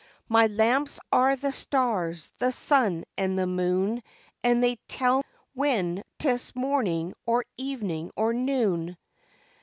My lamps are the stars, the sun and the moon, And they tell when 'tis morning or evening or noon.